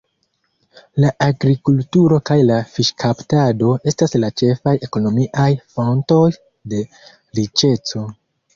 La agrikulturo kaj la fiŝkaptado estas la ĉefaj ekonomiaj fontoj de riĉeco.